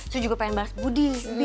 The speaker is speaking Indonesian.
sri juga pengen balas budi